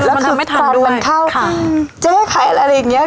แล้วคือมันทำไม่ทำด้วยมันเข้าค่ะเจ๊ใครอะไรอย่างเงี้ย